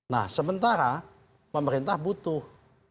nah sementara pemerintah butuh